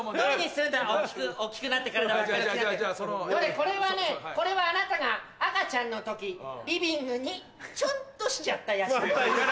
これはねこれはあなたが赤ちゃんの時リビングにちょっとしちゃったやつ。